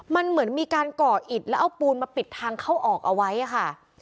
มันเหมือนมีการก่ออิดแล้วเอาปูนมาปิดทางเข้าออกเอาไว้ค่ะ